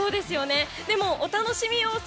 でもお楽しみ要素